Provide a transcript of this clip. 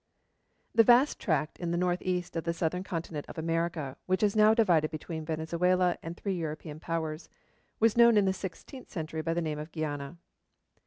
The vast tract in the north east of the southern continent of America which is now divided between Venezuela and three European powers, was known in the sixteenth century by the name of Guiana.